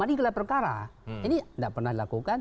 ini tidak pernah dilakukan